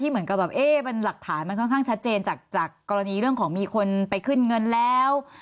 เหมือนกับแบบเอ๊ะมันหลักฐานมันค่อนข้างชัดเจนจากกรณีเรื่องของมีคนไปขึ้นเงินแล้ว